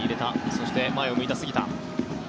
そして前を向いた杉田。